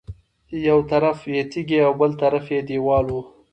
یو طرف یې تیږې او بل طرف یې دېوال و.